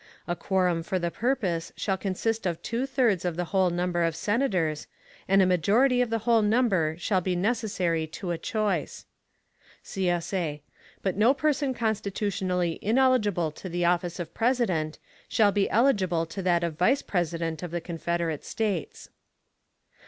A quorum for the purpose shall consist of two thirds of the whole number of Senators, and a majority of the whole number shall be necessary to a choice. [CSA] But no person constitutionally ineligible to the office of President shall be eligible to that of Vice President of the Confederate States.